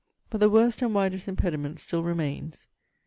But the worst and widest impediment still remains.